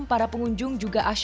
para pengunjung juga asyik